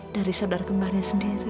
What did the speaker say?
dari saudara kembarnya sendiri